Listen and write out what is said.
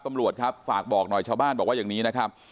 ตำรวจครับฝากบอกหน่อยชาวบ้านบอกว่าอย่างนี้นะครับ